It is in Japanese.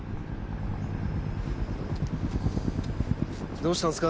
どうしたんですか？